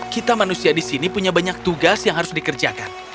kita manusia di sini punya banyak tugas yang harus dikerjakan